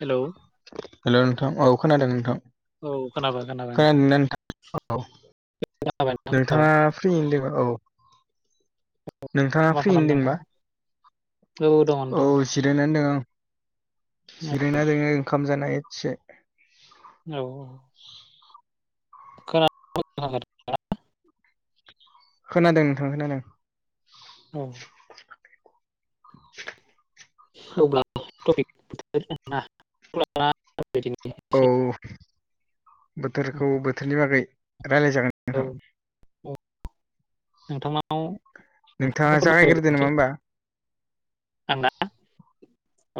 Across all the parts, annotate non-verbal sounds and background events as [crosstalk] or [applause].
Hello. Hello नोंथां औ खोनादों नोंथां। औ खोनाबाय खोनाबाय नोंथां खोनादों ना नोंथां औ खोनाबाय नोंथां नोंथाङा। खोनाबाय फ्रियैनो दोंयो औ नोंथाङा मा फ्रियैनो खालामदों दोंबा नोंथाङा औ दङ। औ नोंथां जिरायनानै दङ आं जिरायना दोङो ओंखाम जानाया एसे। औ। खोनादों [unintelligible] खोनादों नोंथां खोनादों। औ। [unintelligible] औ। बोथोरखौ बोथोरनि बागै रायलाय जागोन। औ। औ नोंथांनाव नोंथांखौ नोंथाङा जागायग्रोदो नामा फोरमायो होमबा आंना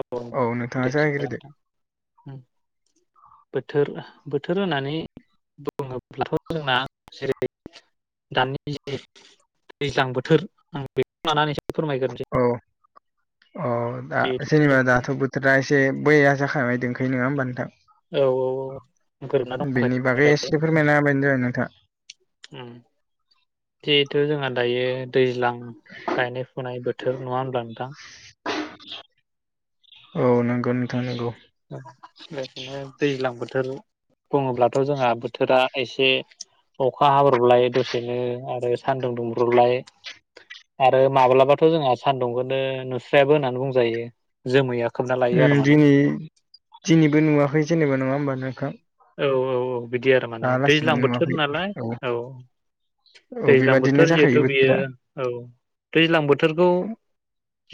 औ। औ नोंथाङा जाहैग्रोदो ओ बोथोर बोथोर होननानै बुुङोब्लाथ' जोंना जेरै दानि ज दैज्लां बोथोर आं बेखौ लानानैसो फोरमायग्रोनोसै। औ औ दा जिहेथु जेनेबा जों दाथ' दा एसे बैया जाखांबाय दंखायो नङा होमबा नोंथां। औ औ गोरोबना बेनि दंखायो बागै एसे फोरमायना हाबानो जाबाय नोंथाङा। ओम जिहेथु जोंहा दायो दैज्लां गायनाय फुनाय बोथोर नङा होनबा नोंथां। औ नंगौ नोंथां नंगौ। ओरैनो दैज्लां बोथोर बुङोब्लाथ' जोंहा बोथोरा एसेसो अखा हाब्रबलाय दसेनो आरो सानदुं दुंब्रबलायो। आरो माब्लाबाथ' जोंहा सानदुंखौनो नुस्रायाबो होननानै बुंजायो। जोमैया खोबना लायो उम आरो माने। दिनै दिनैबो नुवाखै जेनेबा नङा होमबा नोंथां? औ औ औ बिदि आरो माने दालासिनो दैज्लां बोथोर नुवाखै नालाय औ। औ दैज्लां बेबादिनो बोथोर जाखायो जिहेथु बेयो बोथोरा औ दैज्लां बोथोरखौ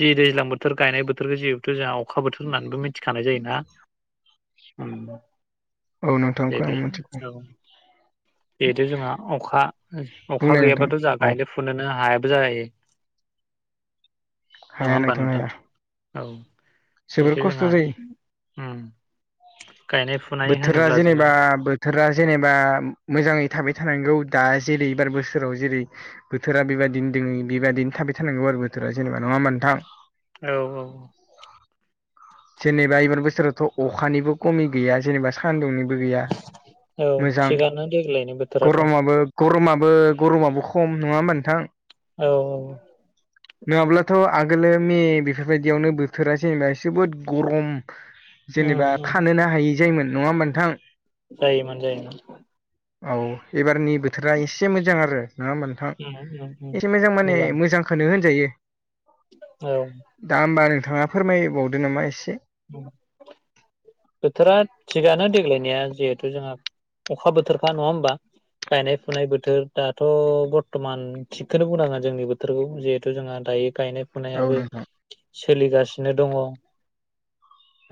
जि दैज्लां बोथोर गायनाय बोथोरखौ जिहेथु जोंहा अखा बोथोर होननानैबो मिथिखानाय जायो ना ओम। औ नोंथां खोनायो मिथिगौ। जेहुथु जोंहा अखा अखा बुंलाय नोंथां गैयाबाथ' जा औ गायनो फुनो फचनोनो हायाबो जायो नङा हाया होमबा नोंथां। हाया औ जोबोर बेथ' खस्थ' जोंहा जायो ओम गायनाय-फुनाय थोरा जेनेबा आ बोथोरा जेनेबा मोजाङै थाबाय थानांगौ दा जेरै एबार बोसोराव जेरैओ बोथोरा बेबायदिनो दोङ बेबायदिनो थाबाय थानांगौ आरो बोथोरा जेनेबा नङा होनबा नोंथां। औ औ। जेनेबा एबार बोसोरावथ' अखानिबो खमि गैया जेनेबा सानदुंनिबो गैया। औ मोजां थिगानो देग्लायनि बोथोराथ' गरमाबो गरमाबो गरमाबो खम नङा होनबा नोंथां? औ औ। नङाब्लाथ' आगोलो मे बेफोरबायदियावनो बोथोरा जेनेबा जोबोद गरम जेनेबा उम खानोनो हायै जायोमोन नङा होमबा नोंथां? जायोमोन जायोमोन। औ एबारनि बोथोरा एसे मोजां आरो नङा होमबा? उम उम उम थां एसे मोजां माने मोजांखौनो होनजायो। औ। दा होमबा नोंथाङा फोरमायबावदो नामा एसे [unintelligible] बोथोरा थिगानो देग्लायनिया जिहेथु जोंहा अखा बोथोरखा नङा होमबा? गायनाय फुनाय बोथोर दाथ' बरथमान थिगखौनो बुंनाङा जोंनि बोथोरखौ जिहेथु जोंहा दायो गायनाय औ खुनायाबो नोंथां सोलिगासिनो दङ।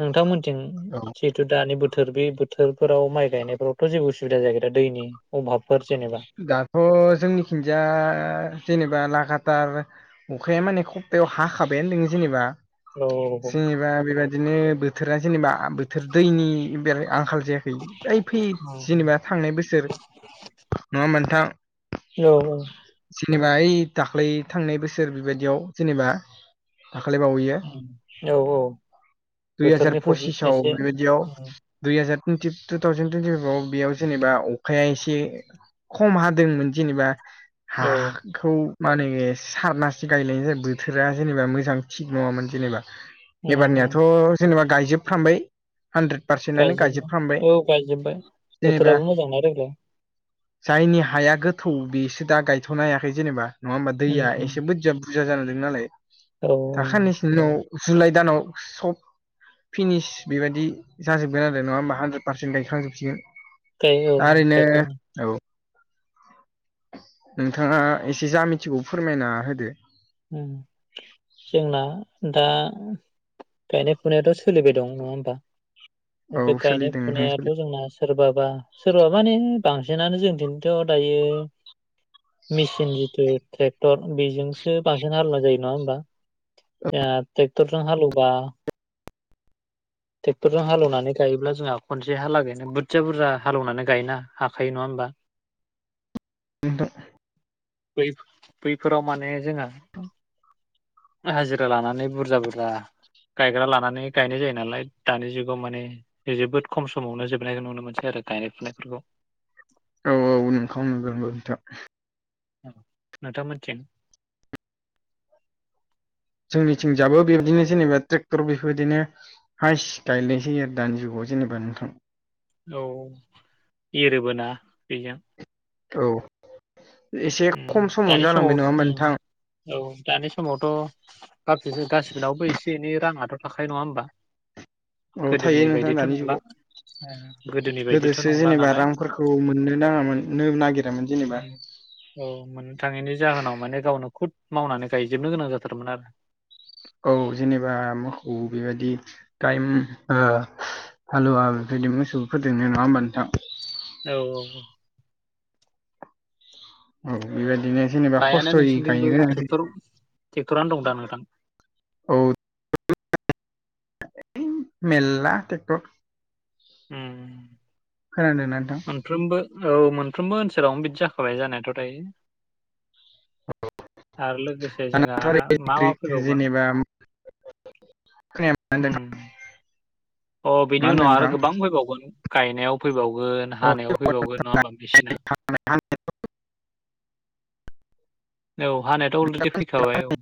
नोंथांमोनथिं औ [unintelligible] थु दानि बोथोर बे बोथोरफोराव माइ गायनायफोरावथ' जेबो उसुबिदा जायोै दा दैनि अभाबफोर जेनेबा दाथ' जोंनिखिन जाया जेनेबा लागाथार अखाया माने खप्तायाव हाखाबायानो दङ जेनेबा औ जेनेबा बेबादिनो बोथोरा जेनेबा बोथोर दैनि बेले आंखाल जाया खै ओइ फैै जेनेबा थांनाय बोसोर नङा होमबा नोंथां? औ औ। जेनेबा ओइ दाख्लै थांनाय बोसोर बेबायदियाव जेनेबा दाख्लै बावैया औ औ। दुइ हाजार बोथोरनि प्रब्लेम पसिसाव एसे बेबायदियाव दुइ हाजार टुटि टु थावजेन टुइन्टिफाइभव बेयाव जेनेबा अखाया एसे खम हादोंमोन जेनेबा हा औ खौ माने सारनासो गायलायनाय जायो बोथोरा जेनेबा मोजां थिग नङामोन जेनेबा [unintelligible] उम एबारनियाथ' जेनेबा गायजोबफ्रामबाय। हानद्रेद पारसेन्टआनो गायजोबबाय गायजोबखांबाय औ गायजोबबाय जेनेबा बोथोराबो मोजांना देग्लाय जायनि हाया गोथौ बेसो दा गायथ'नो हायाखै जेनेबा नङा होमबा दैया उम एसे बुरजाब बुरजा जानादों नालाय औ दाखान्नैसोनि दिनाव जुलाइ दानाव सब फिनिस बेबायाददि जाजोबगोन आरो नङा होमबा हानद्रेद पार्सेन्ट गायखांजोबसिगोन। गायो औ दा ओरैनो गायखांबाय औ। नोंथाङा एसे जा मिथिगै फोरमायना होदो। औ। जोंना दा गायनाय फुनायाथ' सोलिबाय दं नङा होमबा? औ बे गायनाय सोलिदों नोंथां फुनायाथ' सोलिदों जोंना सोरबाबा सोरबा माने बांसिनानो जों दिनोथ' दायो। मेसिन जिथु ट्रेक्टर बेजों सो बांसिन हालेवनाय जायो नङा होमबा जोंहा ट्रेक्टरजों हालेवबा ट्रेक्टरजों हालेनानै गायोब्ला जोंहा खनसे हालागायनो बुरजा बुरजा हालेवनानै गायोन हाखायो नङा होमबा? नोंथां बै बैफोराव माने जोङा हाजिरा लानानै बुरजा बुरजा गायग्रा लानानै गायनाय जायो नालाय दानि जुगाव माने जोबोद खम समावनो जोबनायखौ नुनो मोनसै आरो गायनाय फुनायफोरखौ औ औ नोंखां नोंगागौ नोंथां [unintelligible] नोंथांमोननिथिं जोंनिथिं जाबो बेबायदिनो जेनेबा ट्रेक्टर बेफोरदिनो हाइस गायलायनोसै आरो दानि जुगाव जेनेबा नोंथां औ एरोबोना बेजों औ एसे उम खम दानि समावनो समाव जालांबाय नङा होमबा उम नोंथां? औ दानि समावथ' गासिबोनावबो एसे एनै राङाथ' थाखायो नङा होमबा? औ गोदोनि थायो नोंथां बायदिथ' दानि नंला ओ जुगाव। गोदोनि बायदिथ' गोदोसो नंला जेनेबा नालाय रांफोरखौ मोननो नाङामोन नागिरामोन जेनेबा। उम औ मोननो थाङैनि जाहोनाव माने गावनो खुद मावनानै गायजोबनो गोनां जाथारमोन आरो। औ जेनेबा मोसौ बेबायदि टाइम ओ हालुवा बेबायदि मोसौफोरजोंनो नङा होमबा नोंथां? औ औ औ बेबायदिनो जेनेबा फ्रायानो खस्थ'यै गायनो नोंसिनिजोंबो गोनां जायो ट्रेक्टर ट्रेक्टरानो दं दा नोंथां? औ मेलला टेक्टर। ओम ओम खोनादों ना नोंथां? मोनफ्रोमबो औ मोनफ्रोमबो ओनसोलावनो बिदि जाखाबाय जानायाथ' दायो। आरो लोगोसे जोंहा दानाथ' आरो मा मा इलेक्ट्रिक फैबावगोन? जेनेबा खोनाया मा होनदों ओम अ मा बिनि उनाव होनदों आरो नोंथां गोबां फैबावगोन गायनायाव फैबावगोन हानायाव फैबावगोन नङा होमबा मेसिना? औ हानायाथ' अलरेडि फैखाबाय औ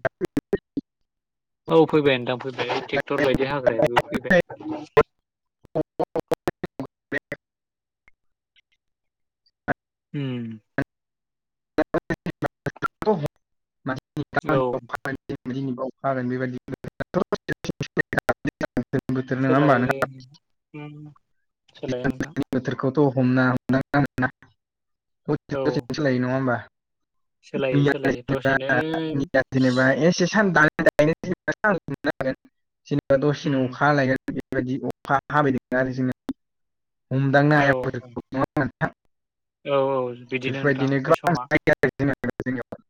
औ फैबाय नोंथां फैबाय ट्रेक्टर बायदि हाग्रायाबबो फैबाय। ओम [unintelligible] औ दिबावखागोन [unintelligible] बेबायदि सोलायो ओम सोलायो नोंथां। बोथोरखौथ' हमनो हालाना दसे औ दसेनो सोलायो नङा होमबा? सोलायो मया [unintelligible] सोलायो दसेनो जेनेबाया [unintelligible] जेनेबा एसे सान दा [unintelligible] ब आं मोननो [unintelligible] हागोन जेनेबा दसेनो उम अखा हालायगोन। बेबायदि अखा हाबायदों आरो जोंना। हमदांनो औ हाया बोथारखौ नङा होनबा नोंथां औ बिदिनो नोंथां बेफोरबायदिनो बे गोबां समा गनि [unintelligible] जोंनियाबो